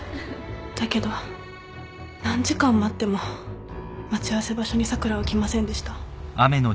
だけど何時間待っても待ち合わせ場所に咲良は来ませんでした。